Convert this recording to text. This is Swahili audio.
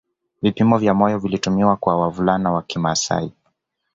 Vipimo vya moyo vilitumiwa kwa wavulana wa kimasai